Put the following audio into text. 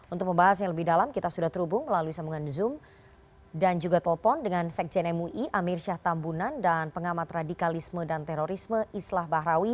untuk membahas yang lebih dalam kita sudah terhubung melalui sambungan zoom dan juga telepon dengan sekjen mui amir syah tambunan dan pengamat radikalisme dan terorisme islah bahrawi